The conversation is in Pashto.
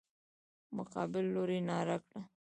مقابل لوري ناره کړه.